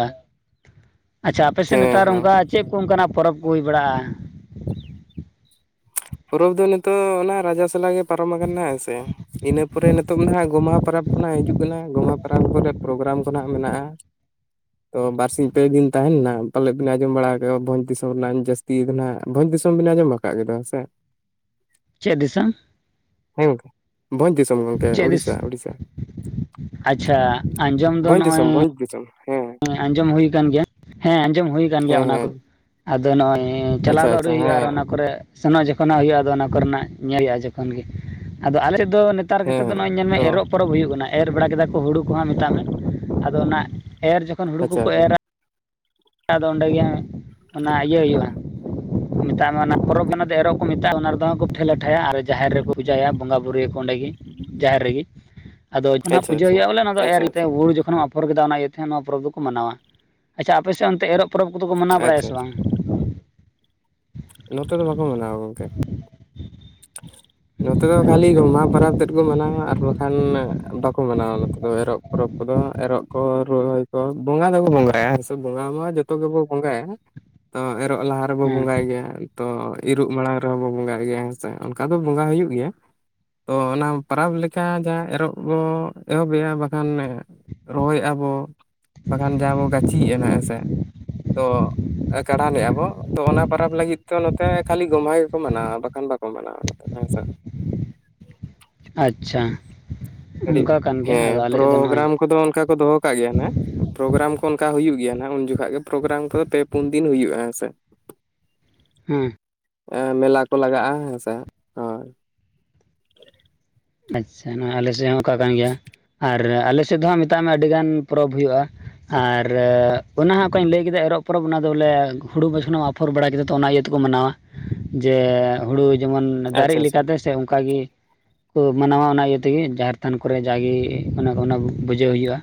B: ᱟᱪᱪᱷᱟ ᱟᱯᱮ ᱥᱮᱫ
A: ᱦᱮᱸ
B: ᱱᱮᱛᱟᱨ
A: ᱦᱮᱸ
B: ᱚᱱᱠᱟ ᱪᱮᱫ ᱠᱚ ᱚᱱᱠᱟᱱᱟᱜ ᱯᱚᱨᱚᱵᱽ ᱠᱚ ᱦᱩᱭ ᱵᱟᱲᱟᱜᱼᱟ
A: ᱯᱚᱨᱚᱵᱽ ᱫᱚ ᱱᱤᱛᱚᱜ ᱚᱱᱟ ᱨᱟᱡᱚ ᱥᱟᱞᱟ ᱜᱮ ᱯᱟᱨᱚᱢ ᱟᱠᱟᱱᱟ ᱦᱮᱸᱥᱮ ᱤᱱᱟᱹ ᱯᱚᱨᱮ ᱱᱤᱛᱚᱜ ᱫᱚ ᱦᱟᱜ ᱜᱚᱢᱦᱟ ᱯᱟᱨᱟᱵᱽ ᱠᱷᱚᱱᱟᱜ ᱦᱤᱡᱩᱜ ᱠᱟᱱᱟ ᱜᱚᱢᱦᱟ ᱯᱟᱨᱟᱵᱽ ᱠᱚᱨᱮ ᱯᱨᱳᱜᱨᱟᱢ ᱠᱚ ᱦᱟᱱᱟᱜ ᱢᱮᱱᱟᱜᱼᱟ
B: [INAUDIBLE]
A: ᱛᱚ ᱵᱟᱨ ᱥᱤᱧ ᱯᱮ ᱫᱤᱱ ᱛᱟᱦᱮᱱᱟ ᱯᱟᱞᱮᱫ ᱵᱤᱱ ᱟᱸᱡᱚᱢ ᱵᱟᱲᱟ ᱟᱠᱟᱼᱟ ᱵᱷᱚᱡᱽ ᱫᱤᱥᱚᱢ ᱨᱮᱱᱟᱜ ᱟᱰᱤ ᱡᱟᱹᱥᱛᱤ ᱠᱟᱱᱟ ᱦᱟᱜ ᱵᱷᱚᱡᱽ ᱫᱤᱥᱚᱢ ᱵᱤᱱ ᱟᱸᱡᱚᱢ ᱟᱠᱟᱫᱣᱟ [UNINTELLIGIBLE]
B: ᱪᱮᱫ ᱫᱤᱥᱚᱢ
A: ᱦᱮᱸ ᱵᱷᱚᱡᱽ ᱫᱤᱥᱚᱢ ᱜᱚᱝᱠᱮ
B: ᱪᱮᱫ
A: ᱚᱲᱤᱥᱥᱟ
B: ᱫᱤᱥ
A: ᱚᱲᱤᱥᱥᱟ
B: ᱟᱪᱪᱷᱟ ᱟᱸᱡᱚᱢ ᱫᱚ
A: ᱵᱷᱚᱡᱽ ᱫᱤᱥᱚᱢ
B: ᱱᱚᱜᱼᱚᱭ
A: ᱵᱷᱚᱡᱽ ᱫᱤᱥᱚᱢ ᱦᱮᱸ
B: ᱟᱸᱡᱚᱢ ᱦᱩᱭ ᱠᱟᱱ ᱜᱮᱭᱟ ᱦᱮᱸ ᱟᱸᱡᱚᱢ ᱦᱩᱭ ᱟᱠᱟᱱᱟ ᱜᱮᱭᱟ
A: ᱦᱮᱸ
B: ᱚᱱᱟ ᱠᱚ
A: ᱦᱮᱸ
B: ᱟᱫᱚ ᱱᱚᱜᱼᱚᱭ ᱦᱮᱸ ᱪᱟᱞᱟᱣ
A: ᱟᱪᱪᱷᱟ
B: ᱫᱚ ᱟᱹᱣᱨᱤ
A: ᱟᱪᱪᱷᱟ
B: ᱦᱩᱭᱩᱜᱼᱟ ᱟᱨ
A: ᱦᱮᱸ
B: ᱚᱱᱟ ᱠᱚᱨᱮ ᱥᱮᱱᱚᱜ ᱡᱚᱠᱷᱚᱱ ᱦᱟᱜ ᱦᱩᱭᱩᱜᱼᱟ ᱟᱫᱚ ᱚᱱᱟ ᱠᱚᱨᱮᱱᱟᱜ ᱧᱮᱞ ᱦᱩᱭᱩᱜᱼᱟ ᱡᱚᱠᱷᱚᱱ ᱜᱮ ᱟᱫᱚ ᱟᱞᱮ ᱫᱚ ᱱᱤᱛᱚᱜ ᱱᱮᱛᱟᱨ
A: ᱦᱮᱸ
B: ᱠᱟᱛᱮᱫ ᱫᱚ
A: ᱦᱮᱸ
B: ᱱᱚᱜᱼᱚᱭ ᱧᱮᱞ ᱢᱮ
A: ᱛᱚ
B: ᱮᱨᱚᱜ ᱯᱚᱨᱚᱵᱽ ᱦᱩᱭᱩᱜ ᱠᱟᱱᱟ ᱮᱨ ᱵᱟᱲᱟ ᱠᱮᱫᱟ ᱠᱚ ᱦᱩᱲᱩ ᱠᱚᱦᱚᱸ ᱢᱮᱛᱟᱜ ᱢᱮ ᱟᱫᱚ ᱚᱱᱟ ᱮᱨ ᱡᱚᱠᱷᱚᱱ ᱦᱩᱲᱩ
A: ᱟᱪᱪᱷᱟ
B: ᱠᱚᱠᱚ
A: ᱟᱪᱪᱷᱟ
B: ᱮᱨᱟ ᱟᱫᱚ ᱚᱸᱰᱮ ᱜᱮ ᱚᱱᱟ ᱤᱭᱟᱹ ᱦᱩᱭᱩᱜᱼᱟ ᱢᱮᱛᱟᱜ ᱢᱮ ᱚᱱᱟ ᱯᱚᱨᱚᱵᱽ ᱠᱟᱱᱟ ᱫᱚ ᱮᱨᱚᱜ ᱠᱚ ᱢᱮᱛᱟᱜᱼᱟ ᱚᱱᱟ ᱨᱮᱫᱚ ᱠᱚ ᱯᱤᱴᱷᱟᱹ ᱞᱟᱴᱷᱟᱭᱟ ᱟᱨ ᱡᱟᱦᱮᱨ ᱨᱮᱠᱚ ᱡᱟᱭᱟᱜ ᱵᱚᱸᱜᱟ ᱵᱩᱨᱩ ᱭᱟᱠᱚ ᱚᱸᱰᱮ ᱜᱮ ᱡᱟᱦᱮᱨ ᱨᱮᱜᱮ ᱟᱫᱚᱡ ᱚᱱᱟ
A: ᱟᱪᱪᱷᱟ
B: ᱯᱩᱡᱟᱹ
A: ᱟᱪᱪᱷᱟ
B: ᱦᱩᱭᱩᱜᱼᱟ ᱵᱚᱞᱮ ᱚᱱᱟ ᱫᱚ ᱮᱨ
A: ᱟᱪᱪᱷᱟ
B: ᱤᱭᱟᱹ
A: ᱟᱪᱪᱷᱟ
B: ᱦᱩᱲᱩ ᱡᱚᱠᱷᱚᱱ ᱮᱢ ᱟᱯᱷᱚᱨ ᱠᱮᱫᱟ ᱚᱱᱟ ᱤᱭᱟᱹ ᱛᱮ ᱱᱚᱣᱟ ᱯᱚᱨᱚᱵᱽ ᱫᱚᱠᱚ ᱢᱟᱱᱟᱣᱟ ᱟᱪᱪᱷᱟ ᱟᱯᱮ ᱚᱱᱛᱮ ᱮᱨᱚᱜ ᱯᱚᱨᱚᱵᱽ ᱫᱚᱠᱚ ᱢᱟᱱᱟᱣ ᱵᱟᱲᱟᱭᱟ
A: ᱟᱪᱪᱷᱟ
B: ᱥᱮ ᱵᱟᱝ
A: ᱱᱚᱛᱮ ᱫᱚ ᱵᱟᱠᱚ ᱢᱮᱱᱟᱣᱟ ᱜᱚᱝᱠᱮ ᱱᱚᱛᱮ ᱫᱚ ᱠᱷᱟᱹᱞᱤ
B: ᱟᱪᱪᱷᱟ
A: ᱯᱚᱨᱚᱵᱽ ᱛᱮᱫ ᱠᱚ ᱢᱟᱱᱟᱣᱟ ᱟᱨ ᱵᱟᱠᱷᱟᱱ ᱵᱟᱠᱚ ᱢᱟᱱᱟᱣᱟ ᱱᱚᱛᱮ ᱫᱚ ᱮᱨᱚᱜ ᱯᱚᱨᱚᱵᱽ ᱠᱚᱫᱚ ᱮᱨᱚᱜ ᱠᱚ ᱛᱚ ᱵᱚᱸᱜᱟ ᱫᱚᱠᱚ ᱵᱚᱸᱜᱟᱭᱟ ᱦᱮᱥᱮ ᱵᱚᱸᱜᱟ ᱢᱟ ᱡᱚᱛᱚ ᱜᱮᱵᱚ ᱵᱚᱸᱜᱟᱭᱟ ᱛᱚ ᱮᱨᱚᱜ ᱞᱟᱦᱟ ᱨᱮᱵᱚ
B: ᱦᱮᱸ
A: ᱵᱚᱸᱜᱟᱭ ᱜᱮᱭᱟ ᱛᱚ ᱤᱨᱚᱜ ᱢᱟᱲᱟᱝ ᱨᱮᱦᱚᱸ ᱵᱚ ᱵᱚᱸᱜᱟᱜ ᱜᱮᱭᱟ ᱦᱮᱸ ᱥᱮ ᱚᱱᱠᱟ ᱫᱚ ᱵᱚᱸᱜᱟ ᱦᱩᱭᱩᱜ ᱜᱮᱭᱟ ᱛᱚ ᱚᱱᱟ ᱯᱟᱨᱟᱵᱽ ᱞᱮᱠᱟ ᱡᱟ ᱮᱨᱚᱜ ᱵᱚ ᱮᱦᱚᱵ ᱮᱜᱟ ᱵᱟᱠᱷᱟᱱ ᱨᱚᱦᱚᱭ ᱭᱮᱜᱟ ᱵᱚ ᱵᱟᱠᱷᱟᱱ ᱡᱟᱦᱟ ᱵᱚ ᱜᱟᱹᱪᱤᱭᱮᱜ-ᱟ ᱱᱟᱦᱟᱜ ᱦᱮᱸ ᱥᱮ ᱛᱚ ᱠᱟᱰᱟᱢᱮᱜᱟ ᱵᱚ ᱛᱚ ᱚᱱᱟ ᱯᱚᱨᱟᱽ ᱞᱟᱹᱜᱤᱫ ᱛᱮ ᱱᱚᱛᱮ ᱠᱷᱟᱹᱞᱤ ᱜᱚᱢᱦᱟ ᱜᱮᱠᱚ ᱢᱟᱱᱟᱣᱟ ᱵᱟᱠᱷᱟᱱ ᱵᱟ [INAUDIBLE] ᱟᱱᱟᱣ ᱦᱮᱸᱥ
B: ᱟᱪᱪᱷᱟ
A: ᱠᱟᱹᱴᱤᱡ
B: ᱚᱱᱠᱟ ᱠᱟᱱ ᱜᱮᱭᱟ
A: ᱦᱮᱸ
B: ᱟᱫᱚ ᱟᱞᱮ ᱥᱮᱫ ᱫᱚ ᱱᱚᱜᱼᱚᱭ
A: ᱯᱨᱳᱜᱨᱟᱢ ᱠᱚᱫᱚ ᱚᱱᱠᱟ ᱠᱚ ᱫᱚᱦᱚ ᱚᱱᱠᱟ ᱜᱮᱭᱟ ᱟᱜ ᱯᱨᱳᱜᱨᱟᱢ ᱠᱚ ᱚᱱᱠᱟ ᱦᱩᱭᱩᱜ ᱜᱮᱭᱟ ᱦᱟᱜ ᱩᱱ ᱡᱚᱠᱷᱚᱱ ᱜᱮ ᱯᱨᱳᱜᱨᱟᱢ ᱠᱚᱫᱚ ᱯᱮ ᱯᱩᱱ ᱫᱤᱱ ᱦᱩᱭᱩᱜ-ᱟ ᱦᱮᱸ ᱥᱮ
B: ᱦᱩᱸ
A: ᱢᱮᱞᱟ ᱠᱚ ᱞᱟᱜᱟᱜ-ᱟ ᱦᱮᱸ ᱥᱮ ᱦᱳᱭ
B: ᱟᱪᱪᱷᱟ ᱱᱚᱣᱟ ᱟᱞᱮ ᱥᱮᱫ ᱦᱚᱸ ᱚᱠᱟ ᱠᱟᱱ ᱜᱮᱭᱟ ᱟᱨ ᱟᱞᱮ ᱥᱮᱫ ᱫᱚ ᱦᱟᱜ ᱢᱮᱛᱟᱜ ᱢᱮ ᱟᱹᱰᱤᱜᱟᱱ ᱯᱚᱨᱚᱵᱽ ᱦᱩᱭᱩᱜ-ᱟ ᱟᱨ ᱚᱱᱟ ᱦᱚᱸ ᱚᱠᱟᱧ ᱞᱟᱹᱭ ᱠᱮᱫᱟ ᱮᱨᱚᱜ ᱯᱚᱨᱚᱵᱽ ᱚᱱᱟ ᱫᱚ ᱵᱚᱞᱮ ᱦᱩᱲᱩ ᱵᱟᱹᱪᱱᱟᱹᱣ ᱟᱯᱷᱚᱨ ᱵᱟᱲᱟ ᱠᱮᱫᱟ ᱛᱚ ᱚᱱᱟ ᱤᱭᱟᱹ ᱛᱮᱠᱚ ᱢᱟᱱᱟᱣᱟ ᱡᱮ ᱦᱩᱲᱩ ᱡᱮᱢᱚᱱ ᱫᱟᱨᱮᱜ
A: ᱟᱪᱪᱷᱟ ᱟᱪᱪᱷᱟ
B: ᱞᱮᱠᱟ ᱛᱮ ᱥᱮ ᱚᱱᱠᱟ ᱜᱮ ᱠᱚ ᱢᱟᱱᱟᱣᱟ ᱚᱱᱟ ᱤᱭᱟᱹ ᱛᱮᱜᱮ ᱡᱟᱦᱮᱨ ᱛᱷᱟᱱ ᱠᱚᱨᱮ ᱡᱟᱜᱮ ᱚᱱᱟ ᱚᱱᱟ ᱵᱩᱡᱷᱟᱹᱣ ᱦᱩᱭᱩᱜᱼᱟ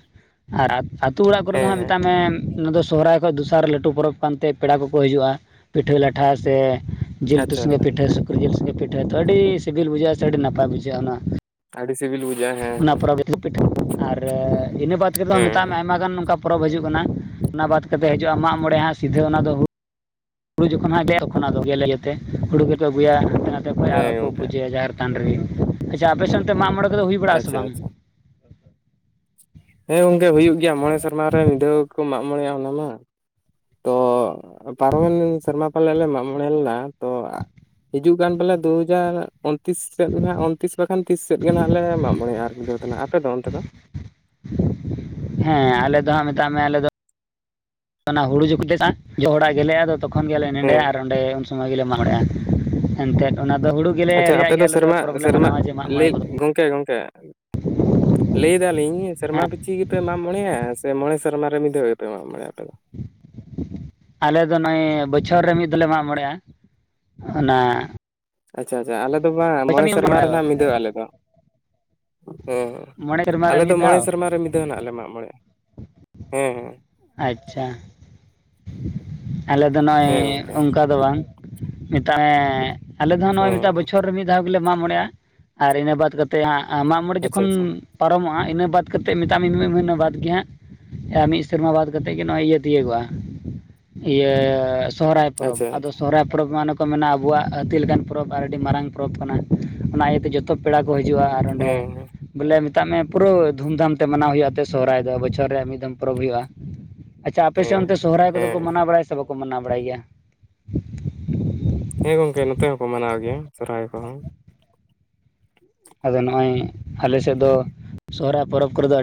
B: ᱟᱨ ᱟᱛᱩ ᱚᱲᱟᱜ ᱠᱚᱨᱮ ᱫᱚ
A: ᱦᱮᱸ
B: ᱦᱟᱸᱜ
A: ᱦᱮᱸ
B: ᱢᱮᱛᱟᱜ ᱢᱮ ᱱᱚᱣᱟ ᱫᱚ ᱥᱚᱦᱨᱟᱭ ᱫᱚᱥᱟᱨ ᱞᱟᱹᱴᱩ ᱯᱚᱨᱚᱵᱽ ᱠᱟᱱᱛᱮ ᱯᱮᱲᱟ ᱠᱚᱠᱚ ᱦᱤᱡᱩᱜᱼᱟ ᱯᱤᱴᱷᱟᱹ ᱞᱟᱴᱷᱟ ᱥᱮ ᱡᱤᱞ ᱩᱛᱩ
A: ᱟᱪᱪᱷᱟ
B: ᱥᱚᱸᱜᱮ
A: ᱟᱪᱪᱷᱟ
B: ᱯᱤᱴᱷᱟᱹ ᱥᱩᱠᱨᱤ ᱡᱤᱞ ᱥᱚᱸᱜᱮ ᱯᱤᱴᱷᱟᱹ ᱛᱚ ᱟᱹᱰᱤ ᱥᱤᱵᱤᱞ ᱵᱩᱡᱷᱟᱹᱜ-ᱟ ᱥᱮ ᱟᱹᱰᱤ ᱱᱟᱯᱟᱭ ᱵᱩᱡᱷᱟᱹᱜ-ᱟ ᱚᱱᱟ᱾
A: ᱟᱹᱰᱤ ᱥᱤᱵᱤᱞ ᱵᱩᱡᱷᱟᱹᱼᱟ ᱦᱮᱸ
B: ᱚᱱᱟ
A: ᱦᱮᱸ
B: ᱯᱚᱨᱚᱵᱽ ᱯᱤᱴᱷᱟᱹ ᱟᱨ ᱤᱱᱟᱹ ᱵᱟᱫᱽ ᱠᱟᱛᱮᱫ ᱦᱚᱸ
A: ᱦᱮᱸ
B: ᱢᱮᱛᱟᱜ ᱢᱮ
A: ᱦᱮᱸ
B: ᱟᱭᱢᱟ ᱜᱟᱱ ᱱᱚᱝᱠᱟ ᱯᱚᱨᱚᱵᱽ ᱦᱤᱡᱩᱜ ᱠᱟᱱᱟ ᱚᱱᱟ ᱵᱟᱫ ᱠᱟᱛᱮᱫ ᱦᱤᱡᱩᱜ-ᱟ ᱢᱟᱜᱽ ᱢᱚᱬᱮ ᱦᱟᱸᱜ ᱥᱤᱫᱷᱟᱹ ᱚᱱᱟ ᱫᱚ ᱦᱲ ᱦᱩᱲᱩ ᱡᱚᱠᱷᱚᱱ ᱦᱟᱸᱜ ᱜᱮᱞᱮ ᱛᱚᱱᱟᱜ ᱫᱚ ᱜᱮᱞᱮ ᱡᱮᱛᱮ ᱦᱩᱲᱩ ᱜᱮᱠᱚ ᱟᱹᱜᱩᱭᱟ ᱦᱟᱱᱛᱮ ᱱᱟᱛᱮ ᱠᱷᱚᱱ ᱟᱨ
A: ᱦᱮᱸ
B: ᱦᱚᱸ ᱠᱚ
A: ᱜᱚᱝᱠᱮ
B: ᱯᱩᱡᱟᱹᱭᱟ ᱡᱟᱨ ᱰᱟᱱᱨᱤ ᱟᱪᱪᱷᱟ ᱟᱯᱮ ᱥᱮᱱ ᱚᱱᱛᱮ ᱢᱟᱜ ᱢᱚᱬᱮ ᱠᱚᱫᱚ ᱦᱩᱭ ᱵᱟᱲᱟᱜ ᱟ ᱥᱮ
A: ᱟᱪᱪᱷᱟ
B: ᱵᱟᱝ
A: ᱟᱪᱪᱷᱟ ᱦᱮᱸ ᱜᱚᱝᱠᱮ ᱦᱩᱭᱩᱜ ᱜᱮᱭᱟ ᱢᱚᱬᱮ ᱥᱮᱨᱢᱟ ᱨᱮ ᱢᱤᱫ ᱫᱷᱟᱣ ᱜᱮ ᱠᱚ ᱢᱟᱜ ᱢᱚᱬᱮᱜᱟ ᱚᱱᱟ ᱢᱟ ᱛᱚ ᱯᱟᱨᱚᱢᱮᱱ ᱥᱮᱨᱢᱟ ᱯᱟᱞᱮᱫ ᱞᱮ ᱢᱟᱜ ᱢᱚᱬᱮ ᱞᱮᱱᱟ, ᱛᱚ ᱦᱤᱡᱩᱜ ᱠᱟᱱ ᱵᱚᱞᱮ ᱫᱩᱦᱟᱡᱟᱨ ᱛᱤᱥ ᱥᱮᱫ ᱱᱟᱦᱟᱜ ᱩᱱᱛᱤᱥ ᱵᱟᱠᱷᱟᱱ ᱛᱤᱥ ᱥᱮᱫ ᱜᱮ ᱱᱟᱦᱟᱜ ᱞᱮ ᱢᱟᱜ ᱢᱚᱲᱮᱜ ᱟᱨ [INAUDIBLE] ᱫᱚ ᱱᱟᱦᱟᱜ ᱟᱯᱮᱫᱚ ᱚᱱᱛᱮ ᱫᱚ
B: ᱦᱮᱸ ᱟᱞᱮ ᱫᱚ ᱦᱟᱸᱜ ᱢᱮᱛᱟᱜ ᱢᱮ ᱟᱞᱮ ᱫᱚ ᱚᱱᱟ ᱦᱩᱲᱩ ᱡᱩᱠᱷᱤᱫ ᱛᱮ ᱡᱚᱦᱚᱲᱟ ᱜᱮᱞᱮ ᱟᱫᱚ ᱠᱷᱚᱱ ᱜᱮᱭᱟᱞᱮ ᱱᱮᱰᱮ
A: ᱦᱮᱸ
B: ᱟᱨ ᱚᱸᱰᱮ ᱩᱱ ᱥᱚᱢᱚᱭ ᱜᱮᱞᱮ ᱢᱟᱱᱚᱰᱟᱭᱟ ᱮᱱᱛᱮᱫ ᱚᱱᱟ ᱦᱩᱲᱩ ᱜᱮᱞᱮ
A: ᱟᱪᱪᱷᱟ ᱟᱯᱮ
B: ᱨᱮᱭᱟᱜ ᱜᱮ
A: ᱫᱚ
B: ᱟᱞᱮ
A: ᱥᱮᱨᱢᱟ
B: ᱯᱚᱨᱚᱵᱽ ᱞᱮ
A: ᱥᱮᱨᱢᱟ
B: ᱢᱟᱱᱟᱣᱟ ᱡᱮ ᱢᱟᱜ ᱢᱚᱬᱮ
A: ᱞᱟᱹᱭ
B: ᱠᱚᱫᱚ
A: ᱜᱚᱝᱠᱮ ᱜᱚᱝᱠᱮ ᱞᱟᱹᱭ ᱫᱟᱞᱤᱧ ᱥᱮᱨᱢᱟ
B: ᱦᱮᱸ
A: ᱯᱤᱪᱷᱤ ᱟᱯᱮ ᱢᱟᱜ ᱢᱚᱬᱮᱜᱟ ᱥᱮ ᱢᱚᱬᱮ ᱥᱮᱨᱢᱟ ᱨᱮ ᱢᱤᱫ ᱫᱟᱹᱣ ᱜᱮ ᱯᱮ ᱢᱟᱜ ᱢᱚᱬᱮᱜᱟ ᱟᱯᱮ ᱫᱚ
B: ᱟᱞᱮ ᱫᱚ ᱱᱚᱜᱚᱭ ᱵᱚᱪᱷᱚᱨ ᱨᱮ ᱢᱤᱫ ᱫᱷᱟᱣ ᱞᱮ ᱢᱟᱜ ᱢᱚᱬᱮᱜ-ᱟ ᱚᱱᱟ
A: ᱟᱪᱪᱷᱟ ᱟᱪᱪᱷᱟ ᱟᱞᱮᱫ ᱫᱚ ᱵᱟᱝ
B: ᱵᱚᱪᱷᱚᱨ
A: ᱢᱚᱬᱮ
B: ᱢᱤᱫ
A: ᱥᱮᱨᱢᱟ
B: ᱫᱚ
A: ᱨᱮᱱᱟᱜ ᱢᱤᱫᱟᱹᱣ ᱟᱞᱮ ᱫᱚ ᱦᱮᱸ
B: ᱢᱚᱬᱮ ᱥᱮᱨᱢᱟ ᱨᱮ
A: ᱟᱞᱮ ᱫᱚ
B: ᱢᱤᱫ
A: ᱢᱚᱬᱮ
B: ᱫᱷᱟᱣ
A: ᱥᱮᱨᱢᱟ ᱨᱮ ᱢᱤᱫᱟᱹᱣ ᱱᱟᱜ ᱞᱮ ᱢᱟᱜ ᱢᱚᱬᱮᱜᱟ ᱦᱮᱸ ᱦᱮᱸ
B: ᱟᱪᱪᱷᱟ ᱟᱞᱮ ᱫᱚ
A: ᱦᱮᱸ
B: ᱱᱚᱜᱚᱭ
A: ᱜᱚᱝᱠᱮ
B: ᱚᱱᱠᱟ ᱫᱚ ᱵᱟᱝ ᱢᱮᱛᱟᱜ ᱢᱮ ᱟᱞᱮ ᱫᱚ ᱱᱚᱜᱚᱭ
A: ᱦᱮᱸ
B: ᱵᱚᱪᱷᱚᱨ ᱨᱮ ᱢᱤᱫ ᱫᱷᱟᱣ ᱜᱮᱞᱮ ᱢᱟᱜ ᱢᱚᱬᱮᱜ-ᱟ ᱟᱨ ᱤᱱᱟᱹ ᱵᱟᱫ ᱠᱟᱛᱮᱫ ᱢᱟᱜ ᱢᱚᱬᱮ
A: ᱟᱪᱪᱷᱟ
B: ᱡᱚᱠᱷᱚᱱ
A: ᱟᱪᱪᱷᱟ
B: ᱯᱟᱨᱚᱢᱚᱜ-ᱟ ᱤᱱᱟᱹ ᱵᱟᱫᱽ ᱠᱟᱛᱮᱫ ᱢᱮᱛᱟᱜ ᱢᱮᱧ ᱢᱤᱢᱤᱫ ᱢᱟᱹᱦᱱᱟᱹ ᱵᱟᱫᱽ ᱜᱮ ᱦᱟᱸᱜ ᱢᱤᱫ ᱥᱮᱨᱢᱟ ᱵᱟᱫ ᱠᱟᱛᱮᱫ ᱜᱮ ᱱᱚᱜᱚᱭ ᱤᱭᱟᱹ ᱛᱤᱭᱟᱹᱜᱚᱜ ᱟ ᱤᱭᱟᱹ ᱥᱚᱦᱨᱟᱭ ᱯᱚᱨᱚᱵᱽ
A: ᱟᱪᱪᱷᱟ
B: ᱟᱫᱚ
A: ᱟᱪᱪᱷᱟ
B: ᱥᱚᱦᱚᱨᱟᱭ ᱯᱚᱨᱚᱵᱽ ᱢᱟ ᱚᱱᱮ ᱟᱵᱚᱣᱟᱜ ᱦᱟᱹᱛᱤ ᱞᱮᱠᱟᱱ ᱯᱚᱨᱚᱵᱽ ᱟᱨ ᱟᱹᱰᱤ ᱢᱟᱨᱟᱝ ᱯᱚᱨᱚᱵᱽ ᱠᱟᱱᱟ ᱚᱱᱟ ᱤᱭᱟᱹᱛᱮ ᱡᱚᱛᱚ ᱯᱮᱲᱟ ᱠᱚ ᱦᱤᱡᱩᱜ-ᱟ ᱟᱨ ᱚᱸᱰᱮ
A: ᱦᱮᱸ ᱦᱮᱸ
B: ᱵᱚᱞᱮ ᱢᱮᱛᱟᱜ ᱢᱮ ᱯᱩᱨᱟᱹ ᱫᱷᱩᱢ ᱫᱷᱟᱢ ᱛᱮ ᱢᱟᱱᱟᱣ ᱦᱩᱭᱩᱜ-ᱟ ᱛᱮ ᱥᱚᱦᱚᱨᱟᱭ ᱫᱚ ᱵᱚᱪᱷᱚᱨ ᱨᱮᱭᱟᱜ ᱢᱤᱫᱫᱷᱟ ᱯᱚᱨᱚᱵᱽ ᱦᱩᱭᱩᱜ-ᱟ ᱟᱪᱪᱷᱟ ᱟᱯᱮ ᱥᱮᱜ
A: ᱦᱮᱸ
B: ᱚᱱᱛᱮ ᱥᱚᱦᱨᱟᱭ ᱠᱚᱫᱚ ᱠᱚ
A: ᱦᱮᱸ
B: ᱢᱟᱱᱟᱣ ᱵᱟᱲᱟᱭᱟ ᱥᱮ ᱵᱟᱠᱚ ᱢᱟᱱᱟᱣ ᱵᱟᱲᱟᱭ ᱜᱮᱭᱟ
A: ᱦᱮᱸ ᱜᱚᱝᱠᱮ ᱱᱚᱛᱮ ᱦᱚᱸᱠᱚ ᱢᱟᱱᱟᱣ ᱜᱮᱭᱟ ᱥᱚᱨᱦᱟᱭ ᱠᱚᱦᱚᱸ
B: ᱟᱫᱚ ᱱᱚᱜ-ᱚᱭ ᱟᱞᱮ ᱥᱮᱫ ᱫᱚ ᱥᱚᱦᱨᱟᱭ ᱯᱚᱨᱚᱵᱽ ᱠᱚᱨᱮ ᱫᱚ ᱟᱹᱰᱤ